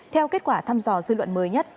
theo kết quả thăm dò dư luận mới nhất